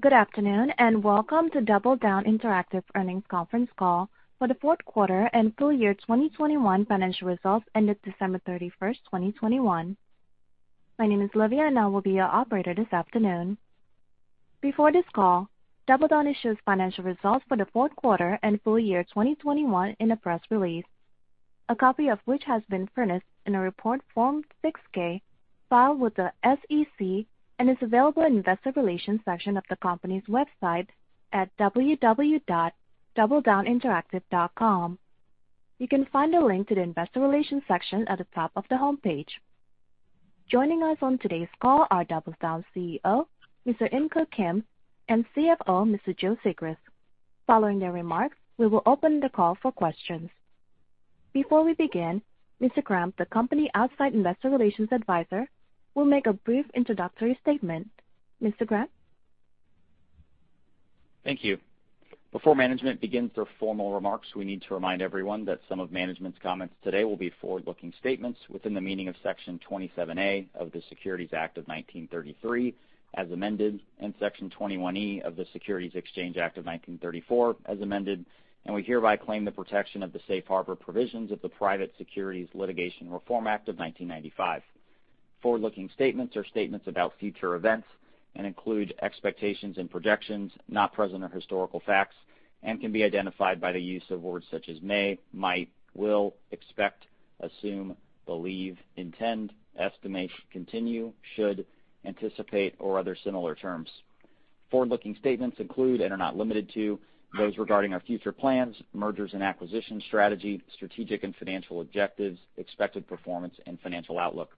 Good afternoon, and welcome to DoubleDown Interactive earnings conference call for the fourth quarter and full year 2021 financial results ended December 31, 2021. My name is Olivia, and I will be your operator this afternoon. Before this call, DoubleDown issues financial results for the fourth quarter and full year 2021 in a press release, a copy of which has been furnished in a report Form 6-K filed with the SEC and is available in investor relations section of the company's website at www.doubledowninteractive.com. You can find a link to the investor relations section at the top of the homepage. Joining us on today's call are DoubleDown CEO, Mr. In Keuk Kim, and CFO, Mr. Joe Sigrist. Following their remarks, we will open the call for questions. Before we begin, Mr. Grampp, the company's outside investor relations advisor, will make a brief introductory statement. Mr. Grampp? Thank you. Before management begins their formal remarks, we need to remind everyone that some of management's comments today will be forward-looking statements within the meaning of Section 27A of the Securities Act of 1933, as amended, and Section 21E of the Securities Exchange Act of 1934, as amended, and we hereby claim the protection of the Safe Harbor Provisions of the Private Securities Litigation Reform Act of 1995. Forward-looking statements are statements about future events and include expectations and projections, not present or historical facts, and can be identified by the use of words such as may, might, will, expect, assume, believe, intend, estimate, continue, should, anticipate, or other similar terms. Forward-looking statements include and are not limited to those regarding our future plans, mergers and acquisition strategy, strategic and financial objectives, expected performance and financial outlook.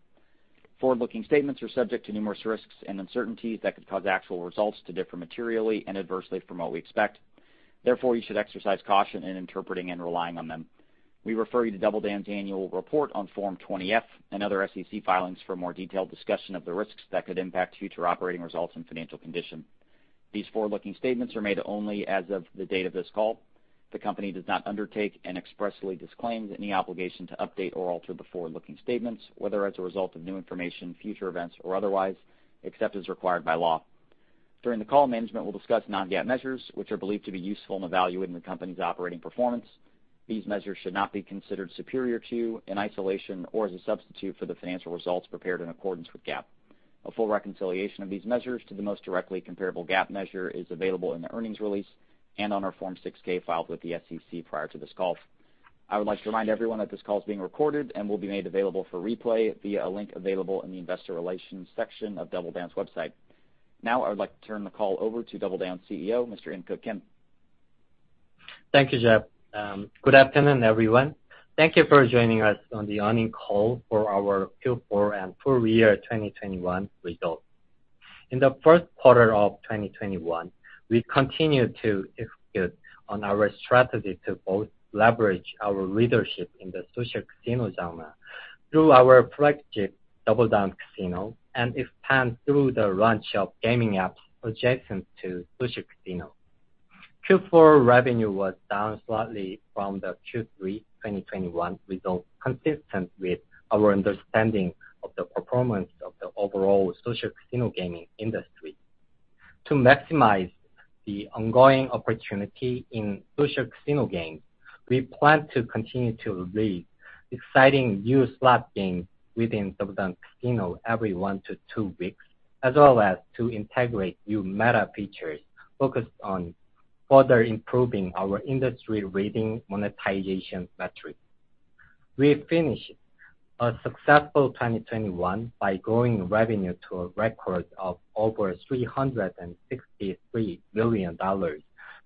Forward-looking statements are subject to numerous risks and uncertainties that could cause actual results to differ materially and adversely from what we expect. Therefore, you should exercise caution in interpreting and relying on them. We refer you to DoubleDown's annual report on Form 20-F and other SEC filings for more detailed discussion of the risks that could impact future operating results and financial condition. These forward-looking statements are made only as of the date of this call. The company does not undertake and expressly disclaims any obligation to update or alter the forward-looking statements, whether as a result of new information, future events or otherwise, except as required by law. During the call, management will discuss non-GAAP measures, which are believed to be useful in evaluating the company's operating performance. These measures should not be considered superior to, in isolation or as a substitute for the financial results prepared in accordance with GAAP. A full reconciliation of these measures to the most directly comparable GAAP measure is available in the earnings release and on our Form 6-K filed with the SEC prior to this call. I would like to remind everyone that this call is being recorded and will be made available for replay via a link available in the investor relations section of DoubleDown's website. Now I would like to turn the call over to DoubleDown's CEO, Mr. In Keuk Kim. Thank you, Jeff. Good afternoon, everyone. Thank you for joining us on the earnings call for our Q4 and full year 2021 results. In the fourth quarter of 2021, we continued to execute on our strategy to both leverage our leadership in the social casino genre through our flagship DoubleDown Casino and expand through the launch of gaming apps adjacent to social casino. Q4 revenue was down slightly from the Q3 2021 result, consistent with our understanding of the performance of the overall social casino gaming industry. To maximize the ongoing opportunity in social casino games, we plan to continue to release exciting new slot games within DoubleDown Casino every one to two weeks, as well as to integrate new meta features focused on further improving our industry-leading monetization metrics. We finished a successful 2021 by growing revenue to a record of over $363 million,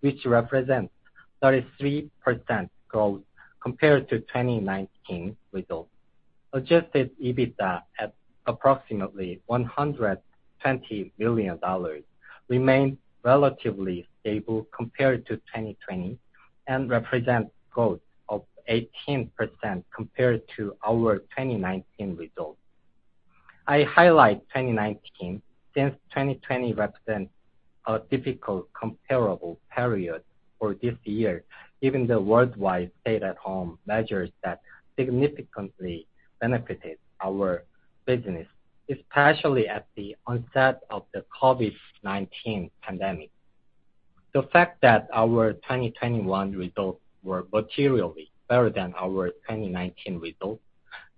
which represents 33% growth compared to 2019 results. Adjusted EBITDA at approximately $120 million remain relatively stable compared to 2020 and represent growth of 18% compared to our 2019 results. I highlight 2019 since 2020 represents a difficult comparable period for this year, given the worldwide stay-at-home measures that significantly benefited our business, especially at the onset of the COVID-19 pandemic. The fact that our 2021 results were materially better than our 2019 results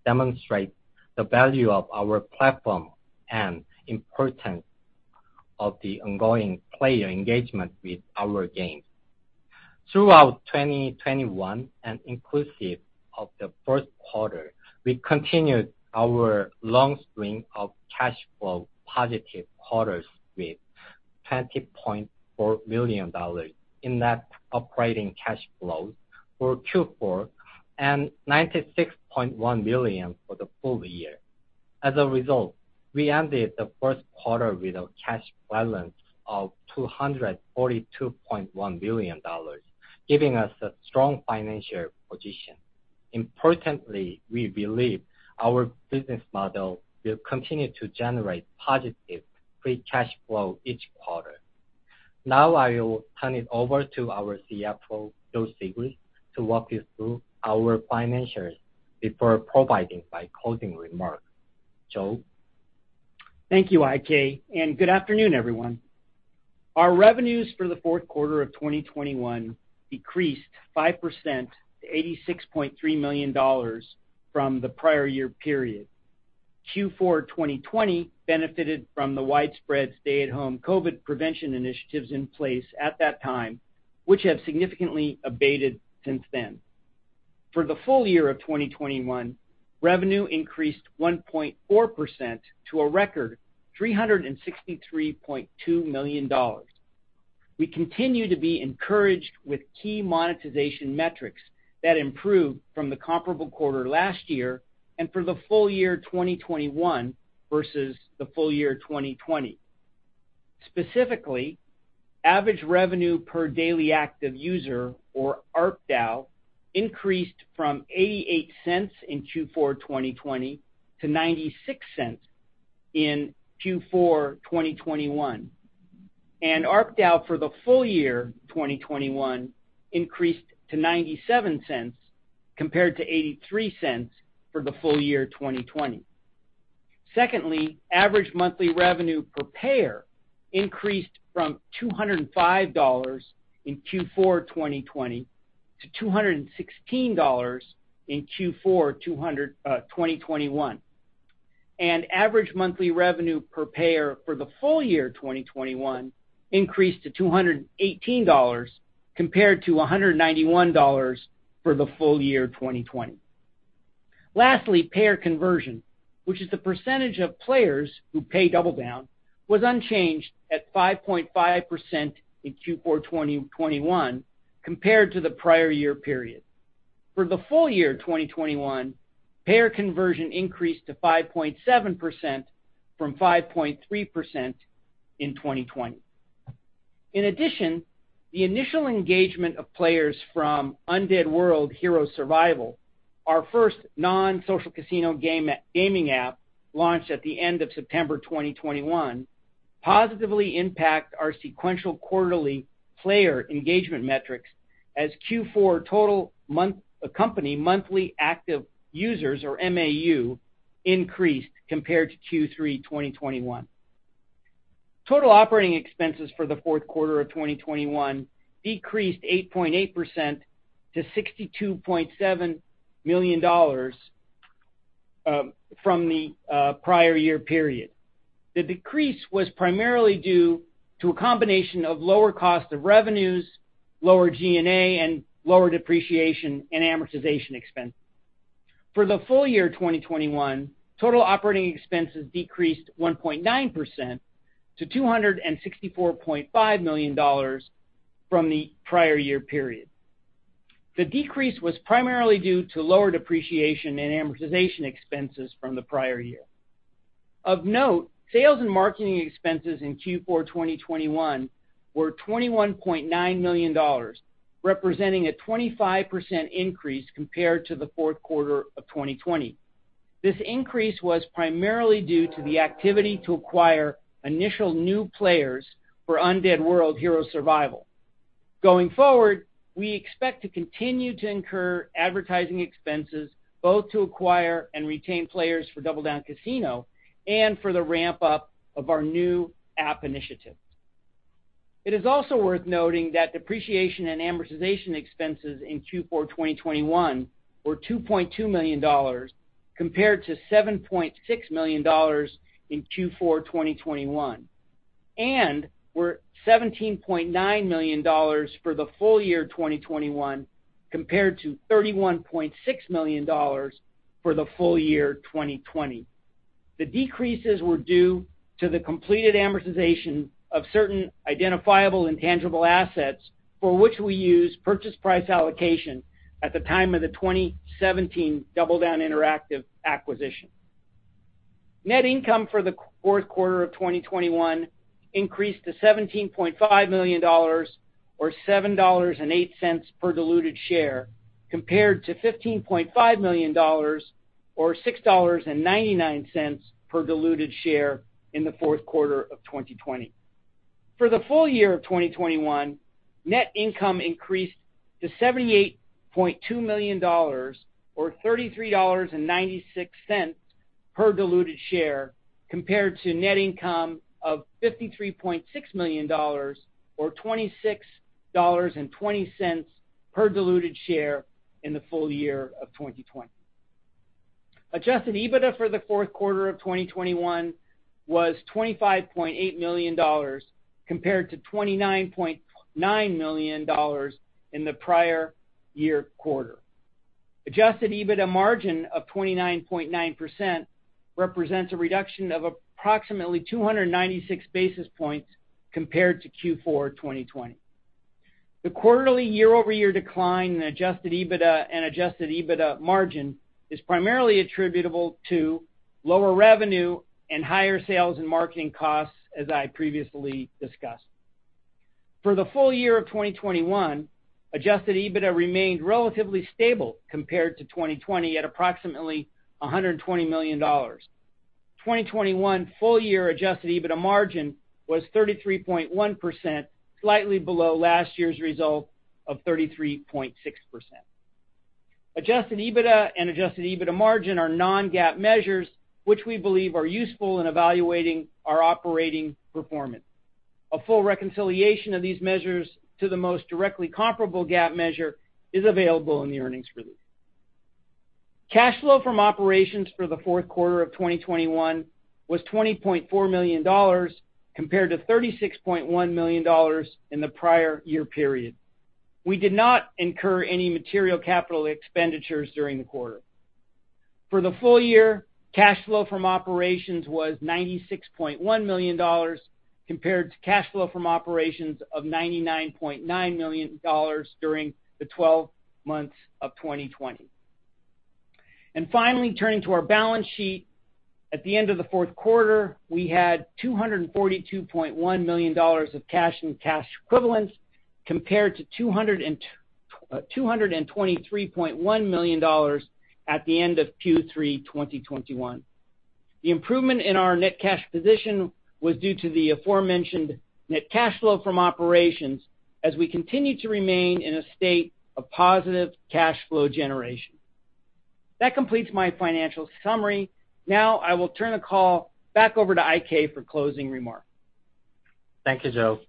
demonstrate the value of our platform and importance of the ongoing player engagement with our games. Throughout 2021 and inclusive of the first quarter, we continued our long string of cash flow positive quarters with $20.4 million in net operating cash flow for Q4 and $96.1 million for the full year. As a result, we ended the first quarter with a cash balance of $242.1 million, giving us a strong financial position. Importantly, we believe our business model will continue to generate positive free cash flow each quarter. Now I will turn it over to our CFO, Joe Sigrist, to walk you through our financials before providing my closing remarks. Thank you, IK, and good afternoon, everyone. Our revenues for the fourth quarter of 2021 decreased 5% to $86.3 million from the prior year period. Q4 2020 benefited from the widespread stay-at-home COVID prevention initiatives in place at that time, which have significantly abated since then. For the full year of 2021, revenue increased 1.4% to a record $363.2 million. We continue to be encouraged with key monetization metrics that improved from the comparable quarter last year and for the full year 2021 versus the full year 2020. Specifically, average revenue per daily active user or ARPDAU increased from $0.88 in Q4 2020 to $0.96 in Q4 2021. ARPDAU for the full year 2021 increased to $0.97 compared to $0.83 for the full year 2020. Secondly, average monthly revenue per payer increased from $205 in Q4 2020 to $216 in Q4 2021. Average monthly revenue per payer for the full year 2021 increased to $218 compared to $191 for the full year 2020. Lastly, payer conversion, which is the percentage of players who pay DoubleDown, was unchanged at 5.5% in Q4 2021 compared to the prior year period. For the full year 2021, payer conversion increased to 5.7% from 5.3% in 2020. In addition, the initial engagement of players from Undead World: Hero Survival, our first non-social casino gaming app, launched at the end of September 2021, positively impact our sequential quarterly player engagement metrics as Q4 total company monthly active users, or MAU, increased compared to Q3 2021. Total operating expenses for the fourth quarter of 2021 decreased 8.8% to $62.7 million from the prior year period. The decrease was primarily due to a combination of lower cost of revenues, lower G&A, and lower depreciation and amortization expenses. For the full year 2021, total operating expenses decreased 1.9% to $264.5 million from the prior year period. The decrease was primarily due to lower depreciation and amortization expenses from the prior year. Of note, sales and marketing expenses in Q4 2021 were $21.9 million, representing a 25% increase compared to the fourth quarter of 2020. This increase was primarily due to the activity to acquire initial new players for Undead World: Hero Survival. Going forward, we expect to continue to incur advertising expenses both to acquire and retain players for DoubleDown Casino and for the ramp up of our new app initiatives. It is also worth noting that depreciation and amortization expenses in Q4 2021 were $2.2 million compared to $7.6 million in Q4 2020, and were $17.9 million for the full year 2021, compared to $31.6 million for the full year 2020. The decreases were due to the completed amortization of certain identifiable and tangible assets for which we used purchase price allocation at the time of the 2017 DoubleDown Interactive acquisition. Net income for the fourth quarter of 2021 increased to $17.5 million or $7.08 per diluted share, compared to $15.5 million or $6.99 per diluted share in the fourth quarter of 2020. For the full year of 2021, net income increased to $78.2 million or $33.96 per diluted share, compared to net income of $53.6 million or $26.20 per diluted share in the full year of 2020. Adjusted EBITDA for the fourth quarter of 2021 was $25.8 million, compared to $29.9 million in the prior year quarter. Adjusted EBITDA margin of 29.9% represents a reduction of approximately 296 basis points compared to Q4 2020. The quarterly year-over-year decline in adjusted EBITDA and adjusted EBITDA margin is primarily attributable to lower revenue and higher sales and marketing costs, as I previously discussed. For the full year of 2021, adjusted EBITDA remained relatively stable compared to 2020 at approximately $120 million. 2021 full year adjusted EBITDA margin was 33.1%, slightly below last year's result of 33.6%. Adjusted EBITDA and adjusted EBITDA margin are non-GAAP measures, which we believe are useful in evaluating our operating performance. A full reconciliation of these measures to the most directly comparable GAAP measure is available in the earnings release. Cash flow from operations for the fourth quarter of 2021 was $20.4 million compared to $36.1 million in the prior year period. We did not incur any material capital expenditures during the quarter. For the full year, cash flow from operations was $96.1 million compared to cash flow from operations of $99.9 million during the 12 months of 2020. Finally, turning to our balance sheet. At the end of the fourth quarter, we had $242.1 million of cash and cash equivalents compared to $223.1 million at the end of Q3 2021. The improvement in our net cash position was due to the aforementioned net cash flow from operations as we continue to remain in a state of positive cash flow generation. That completes my financial summary. Now I will turn the call back over to IK for closing remarks. Thank you, Joe.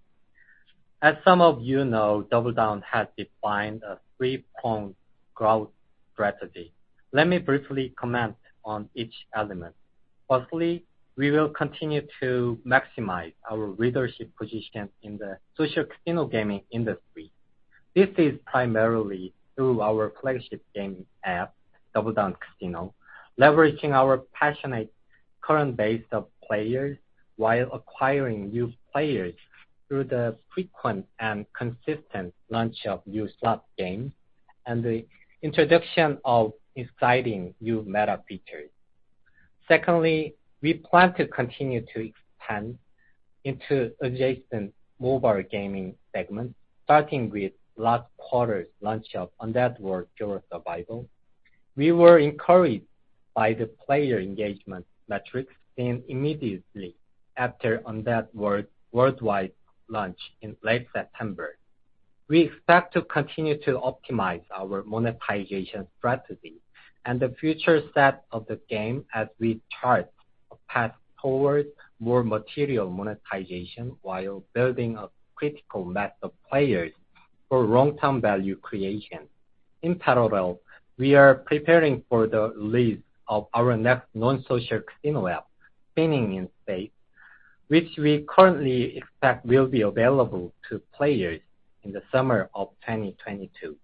As some of you know, DoubleDown has defined a three-pronged growth strategy. Let me briefly comment on each element. Firstly, we will continue to maximize our leadership position in the social casino gaming industry. This is primarily through our flagship gaming app, DoubleDown Casino, leveraging our passionate current base of players while acquiring new players through the frequent and consistent launch of new slot games and the introduction of exciting new meta features. Secondly, we plan to continue to expand into adjacent mobile gaming segments, starting with last quarter's launch of Undead World: Hero Survival. We were encouraged by the player engagement metrics seen immediately after Undead World worldwide launch in late September. We expect to continue to optimize our monetization strategy and the future state of the game as we chart a path towards more material monetization while building a critical mass of players for long-term value creation. In parallel, we are preparing for the release of our next non-social casino app, Spinning in Space, which we currently expect will be available to players in the summer of 2022.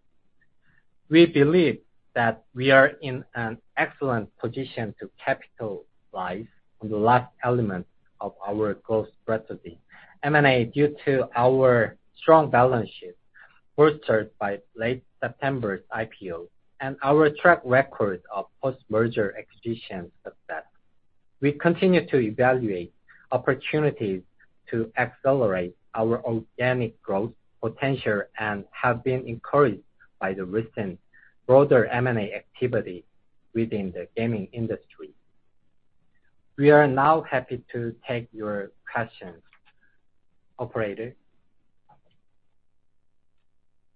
We believe that we are in an excellent position to capitalize on the last element of our growth strategy, M&A, due to our strong balance sheet bolstered by late September's IPO and our track record of post-merger execution success. We continue to evaluate opportunities to accelerate our organic growth potential and have been encouraged by the recent broader M&A activity within the gaming industry. We are now happy to take your questions. Operator?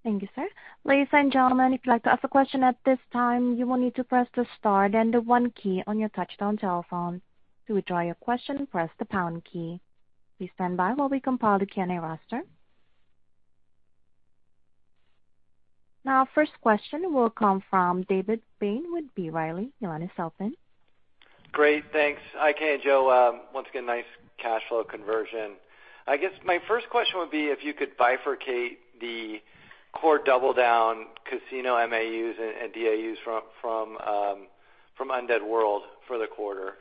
Thank you, sir. Ladies and gentlemen, if you'd like to ask a question at this time, you will need to press the star then the one key on your touchtone telephone. To withdraw your question, press the pound key. Please stand by while we compile the Q&A roster. Now first question will come from David Bain with B. Riley. Your line is open. Great. Thanks. IK and Joe, once again, nice cash flow conversion. I guess my first question would be if you could bifurcate the core DoubleDown Casino MAUs and DAUs from Undead World for the quarter.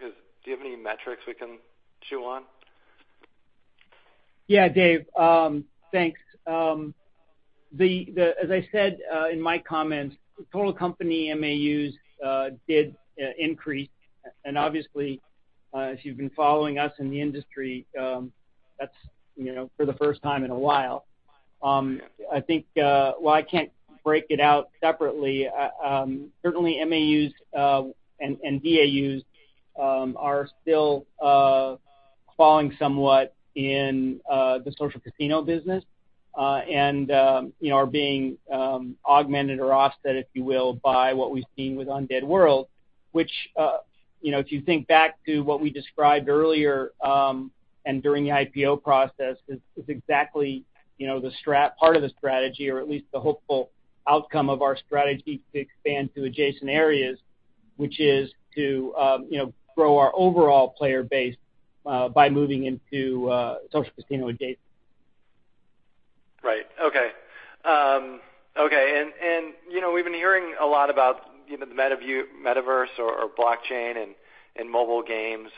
Do you have any metrics we can chew on? Yeah, Dave. Thanks. As I said in my comments, total company MAUs did increase. Obviously, if you've been following us in the industry, that's, you know, for the first time in a while. I think while I can't break it out separately, certainly MAUs and DAUs are still falling somewhat in the social casino business, and you know, are being augmented or offset, if you will, by what we've seen with Undead World, which you know, if you think back to what we described earlier and during the IPO process is exactly the part of the strategy or at least the hopeful outcome of our strategy to expand to adjacent areas, which is to you know, grow our overall player base by moving into social casino adjacent. You know, we've been hearing a lot about, you know, the metaverse or blockchain and mobile games.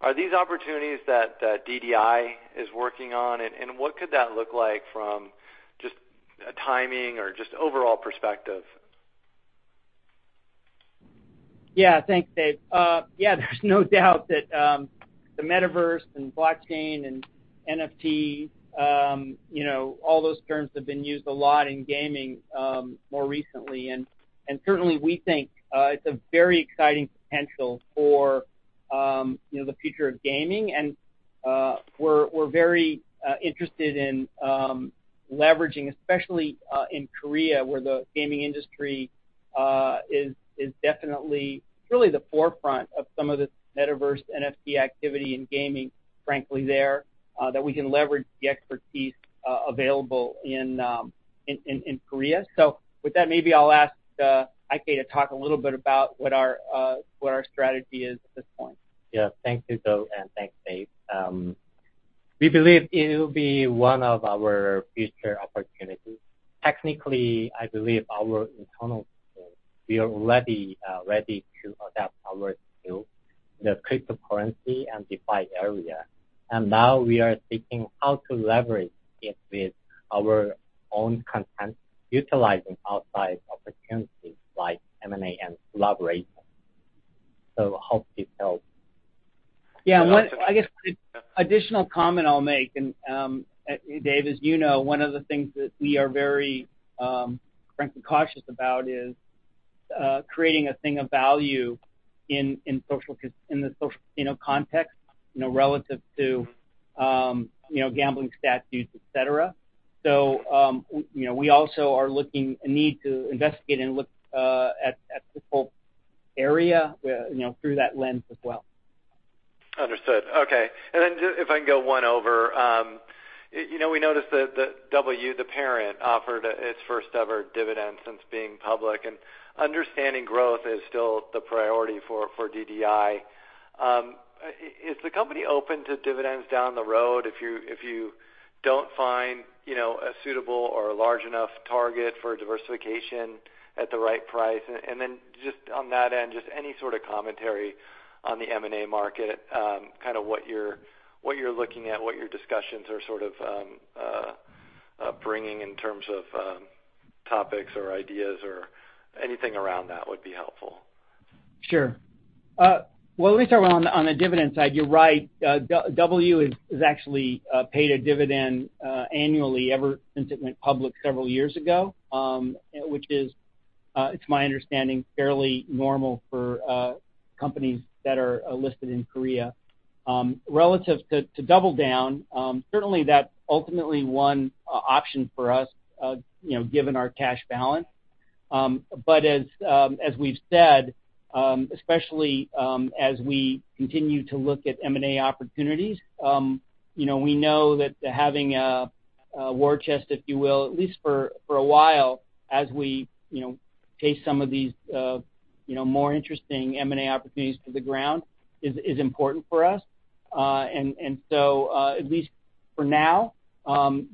Are these opportunities that DDI is working on? What could that look like from just a timing or just overall perspective? Yeah. Thanks, Dave. Yeah, there's no doubt that the metaverse and blockchain and NFT, you know, all those terms have been used a lot in gaming more recently. Certainly, we think it's a very exciting potential for, you know, the future of gaming. We're very interested in leveraging, especially in Korea, where the gaming industry is definitely really the forefront of some of the metaverse NFT activity in gaming, frankly, there that we can leverage the expertise available in Korea. With that, maybe I'll ask IK to talk a little bit about what our strategy is at this point. Yeah. Thank you, Joe, and thanks, David. We believe it will be one of our future opportunities. Technically, I believe our internal team, we are already ready to adapt our skill in the cryptocurrency and DeFi area. Now we are seeking how to leverage it with our own content, utilizing outside opportunities like M&A and collaboration. Hope this helps. Yeah. One, I guess the additional comment I'll make, and, David, as you know, one of the things that we are very frankly cautious about is creating a thing of value in the social, you know, context, you know, relative to, you know, gambling statutes, et cetera. You know, we also are looking at the need to investigate and look at the whole area, you know, through that lens as well. Understood. Okay. If I can go one over, you know, we noticed that DoubleU, the parent, offered its first ever dividend since being public, and understanding growth is still the priority for DDI. Is the company open to dividends down the road if you don't find, you know, a suitable or a large enough target for diversification at the right price? Just on that end, just any sort of commentary on the M&A market, kind of what you're looking at, what your discussions are sort of bringing in terms of topics or ideas or anything around that would be helpful. Sure. Well, let me start with on the dividend side. You're right. DoubleU has actually paid a dividend annually ever since it went public several years ago, which is it's my understanding, fairly normal for companies that are listed in Korea. Relative to DoubleDown, certainly that's ultimately one option for us, you know, given our cash balance. As we've said, especially as we continue to look at M&A opportunities, you know, we know that having a war chest, if you will, at least for a while as we, you know, chase some of these, you know, more interesting M&A opportunities to the ground is important for us. At least for now,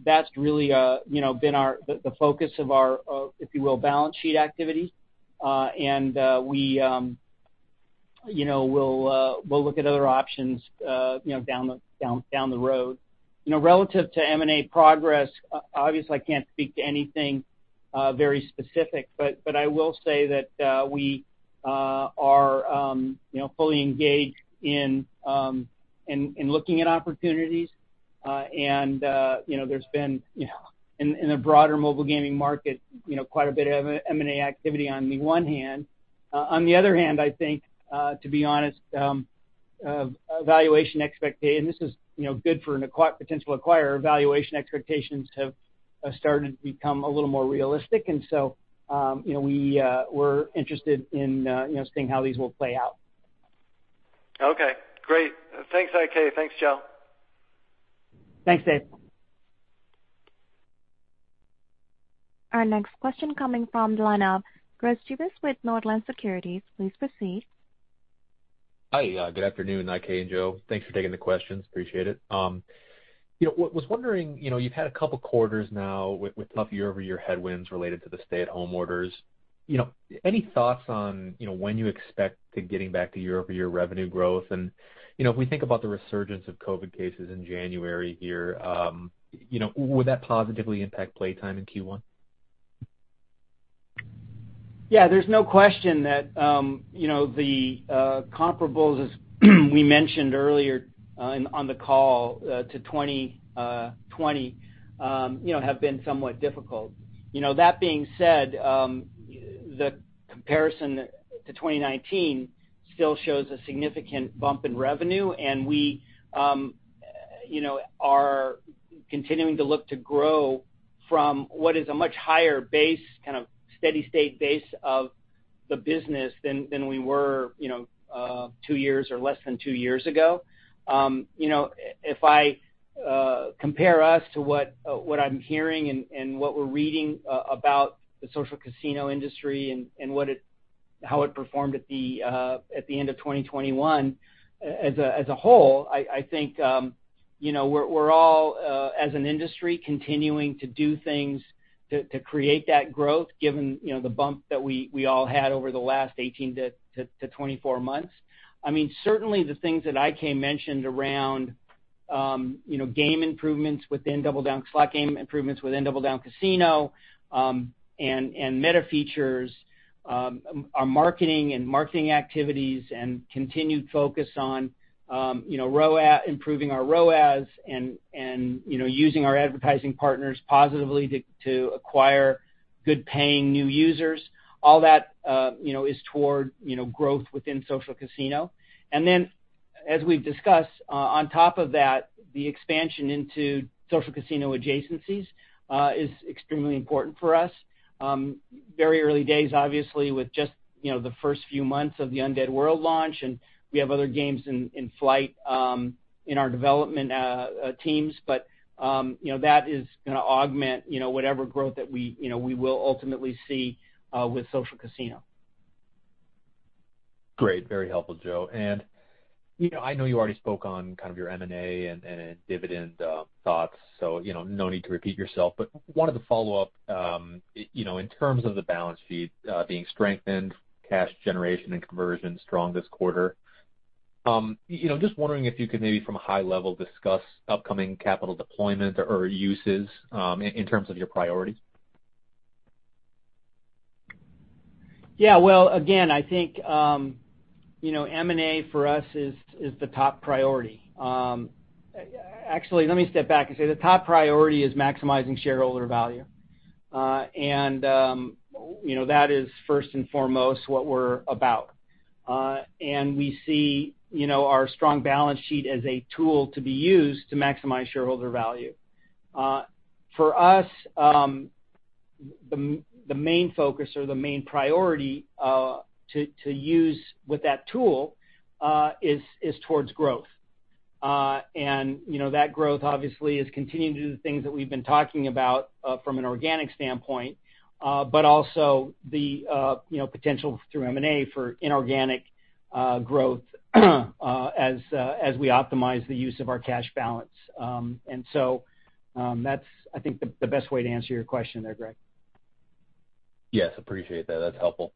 that's really you know been the focus of our, if you will, balance sheet activity. We you know we'll look at other options you know down the road. You know, relative to M&A progress, obviously, I can't speak to anything very specific, but I will say that we are you know fully engaged in looking at opportunities. You know, there's been you know in the broader mobile gaming market you know quite a bit of M&A activity on the one hand. On the other hand, I think, to be honest, and this is, you know, good for a potential acquirer, valuation expectations have started to become a little more realistic. You know, we're interested in, you know, seeing how these will play out. Okay, great. Thanks, IK. Thanks, Joe. Thanks, Dave. Our next question coming from the line of Greg Gibas with Northland Securities. Please proceed. Hi. Good afternoon, IK and Joe. Thanks for taking the questions. Appreciate it. You know, was wondering, you know, you've had a couple quarters now with tough year-over-year headwinds related to the stay-at-home orders. You know, any thoughts on, you know, when you expect to getting back to year-over-year revenue growth? You know, if we think about the resurgence of COVID cases in January here, you know, will that positively impact playtime in Q1? Yeah. There's no question that, you know, the comparables, as we mentioned earlier, on the call, to 2020, you know, have been somewhat difficult. You know, that being said, the comparison to 2019 still shows a significant bump in revenue, and we, you know, are continuing to look to grow from what is a much higher base, kind of steady state base of the business than we were, you know, two years or less than two years ago. If I compare us to what I'm hearing and what we're reading about the social casino industry and how it performed at the end of 2021, as a whole, I think you know, we're all as an industry continuing to do things to create that growth given you know, the bump that we all had over the last 18-24 months. I mean, certainly the things that IK mentioned around you know, game improvements within DoubleDown—slot game improvements within DoubleDown Casino, and meta features, our marketing activities and continued focus on you know, improving our ROAS and you know, using our advertising partners positively to acquire good-paying new users. All that, you know, is toward, you know, growth within social casino. Then as we've discussed, on top of that, the expansion into social casino adjacencies is extremely important for us. Very early days, obviously, with just, you know, the first few months of the Undead World launch, and we have other games in flight in our development teams. You know, that is gonna augment, you know, whatever growth that we, you know, we will ultimately see with social casino. Great. Very helpful, Joe. You know, I know you already spoke on kind of your M&A and dividend thoughts, so you know, no need to repeat yourself. Wanted to follow up, you know, in terms of the balance sheet being strengthened, cash generation and conversion strong this quarter, you know, just wondering if you could maybe from a high level discuss upcoming capital deployment or uses in terms of your priorities. Yeah. Well, again, I think, you know, M&A for us is the top priority. Actually, let me step back and say the top priority is maximizing shareholder value. You know, that is first and foremost what we're about. We see, you know, our strong balance sheet as a tool to be used to maximize shareholder value. For us, the main focus or the main priority to use with that tool is towards growth. You know, that growth obviously is continuing to do the things that we've been talking about from an organic standpoint, but also the potential through M&A for inorganic growth, as we optimize the use of our cash balance. That's, I think the best way to answer your question there, Greg. Yes, I appreciate that. That's helpful.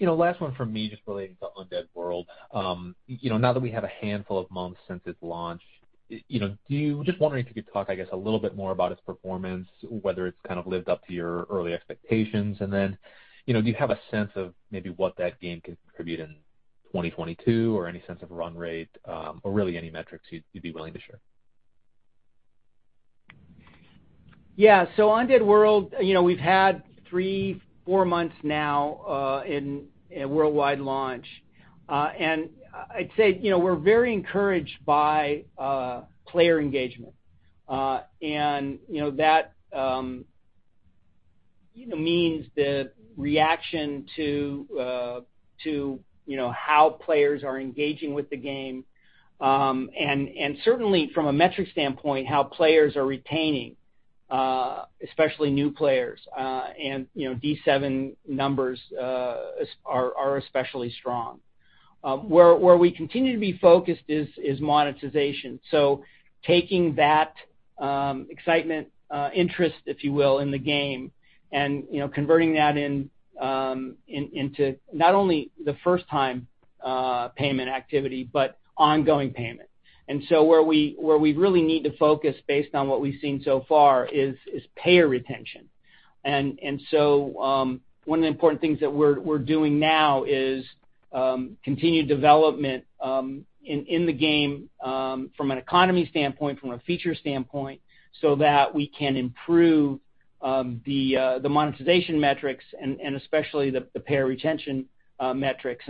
You know, last one from me, just relating to Undead World. You know, now that we have a handful of months since its launch, you know, just wondering if you could talk, I guess, a little bit more about its performance, whether it's kind of lived up to your early expectations? You know, do you have a sense of maybe what that game could contribute in 2022 or any sense of run rate, or really any metrics you'd be willing to share? Yeah. Undead World, you know, we've had three or four months now in a worldwide launch. I'd say, you know, we're very encouraged by player engagement. You know, that means the reaction to how players are engaging with the game. Certainly from a metric standpoint, how players are retaining, especially new players. You know, D7 numbers are especially strong. Where we continue to be focused is monetization. Taking that excitement, interest, if you will, in the game and, you know, converting that into not only the first time payment activity, but ongoing payment. Where we really need to focus based on what we've seen so far is payer retention. One of the important things that we're doing now is continued development in the game from an economy standpoint, from a feature standpoint, so that we can improve the monetization metrics and especially the payer retention metrics.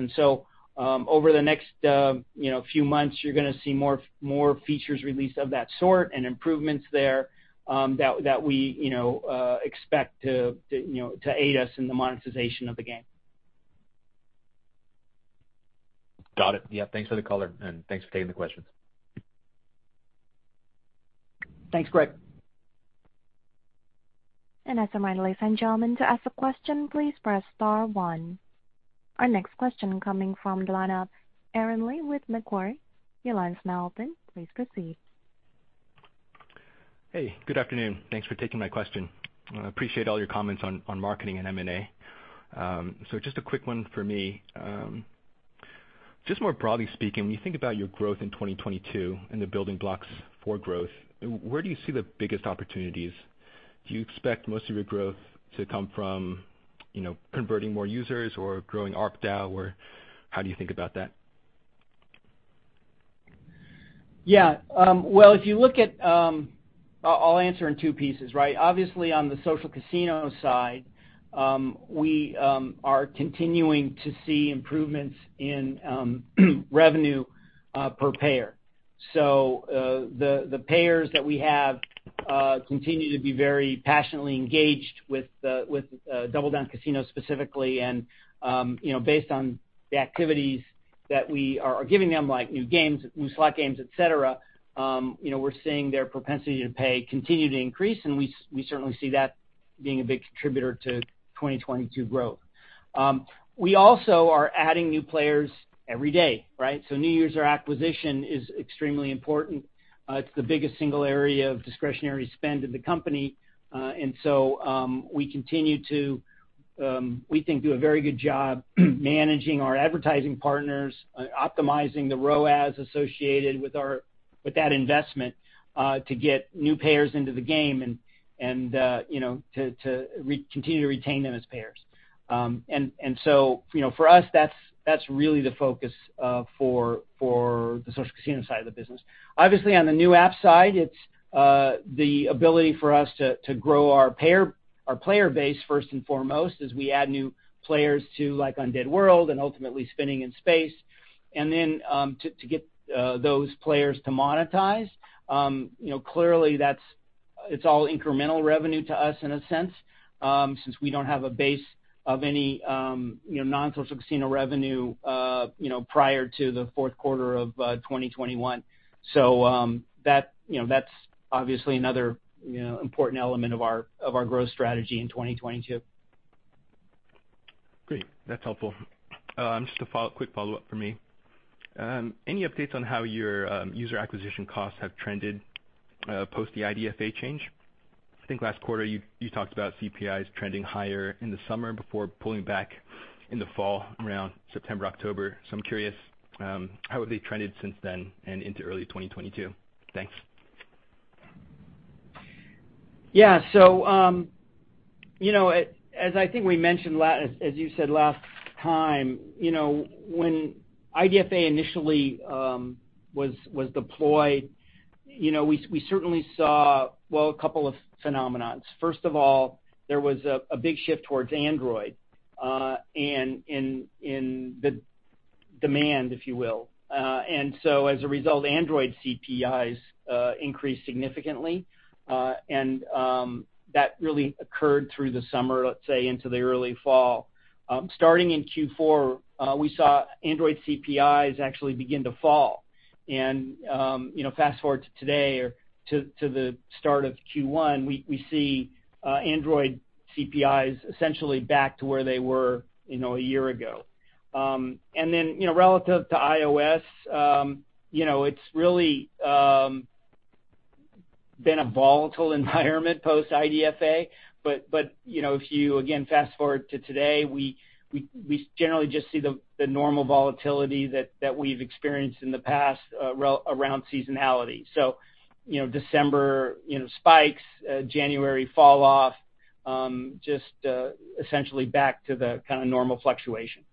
Over the next you know few months, you're gonna see more features released of that sort and improvements there that we you know expect to you know aid us in the monetization of the game. Got it. Yeah, thanks for the color, and thanks for taking the questions. Thanks, Greg. As a reminder, ladies and gentlemen, to ask a question, please press star one. Our next question coming from the line of Aaron Lee with Macquarie. Your line is now open. Please proceed. Hey, good afternoon. Thanks for taking my question. I appreciate all your comments on marketing and M&A. Just a quick one for me. Just more broadly speaking, when you think about your growth in 2022 and the building blocks for growth, where do you see the biggest opportunities? Do you expect most of your growth to come from, you know, converting more users or growing ARPDAU, or how do you think about that? Yeah. Well, if you look at, I'll answer in two pieces, right? Obviously on the social casino side, we are continuing to see improvements in revenue per payer. The payers that we have continue to be very passionately engaged with DoubleDown Casino specifically. You know, based on the activities that we are giving them, like new games, new slot games, et cetera, you know, we're seeing their propensity to pay continue to increase, and we certainly see that being a big contributor to 2022 growth. We also are adding new players every day, right? New user acquisition is extremely important. It's the biggest single area of discretionary spend in the company. We continue to think we do a very good job managing our advertising partners, optimizing the ROAS associated with that investment to get new payers into the game and, you know, to continue to retain them as payers. You know, for us, that's really the focus for the social casino side of the business. Obviously, on the new app side, it's the ability for us to grow our player base first and foremost as we add new players to, like, Undead World and ultimately Spinning in Space. To get those players to monetize, you know, clearly it's all incremental revenue to us in a sense, since we don't have a base of any, you know, non-social casino revenue, you know, prior to the fourth quarter of 2021. That, you know, that's obviously another, you know, important element of our growth strategy in 2022. Great. That's helpful. Just a quick follow-up from me. Any updates on how your user acquisition costs have trended post the IDFA change? I think last quarter you talked about CPIs trending higher in the summer before pulling back in the fall around September, October. I'm curious how have they trended since then and into early 2022? Thanks. Yeah. You know, as you said last time, you know, when IDFA initially was deployed, you know, we certainly saw, well, a couple of phenomena. First of all, there was a big shift towards Android and in the demand, if you will. And so as a result, Android CPIs increased significantly. That really occurred through the summer, let's say, into the early fall. Starting in Q4, we saw Android CPIs actually begin to fall. You know, fast-forward to today or to the start of Q1, we see Android CPIs essentially back to where they were, you know, a year ago. Relative to iOS, you know, it's really been a volatile environment post-IDFA, but you know, if you again fast-forward to today, we generally just see the normal volatility that we've experienced in the past around seasonality. You know, December you know spikes, January falloff, just essentially back to the kinda normal fluctuation.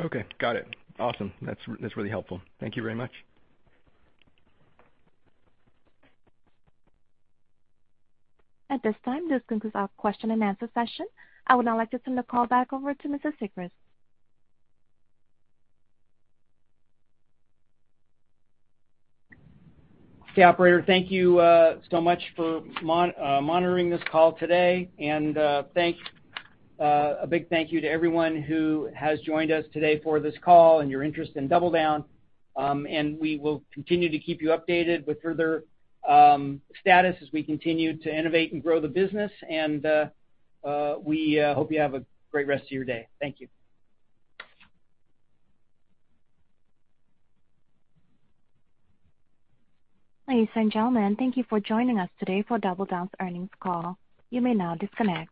Okay. Got it. Awesome. That's really helpful. Thank you very much. At this time, this concludes our question-and-answer session. I would now like to turn the call back over to Mr. Sigrist. Okay, operator, thank you so much for monitoring this call today. A big thank you to everyone who has joined us today for this call and your interest in DoubleDown, and we will continue to keep you updated with further status as we continue to innovate and grow the business. We hope you have a great rest of your day. Thank you. Ladies and gentlemen, thank you for joining us today for DoubleDown's earnings call. You may now disconnect.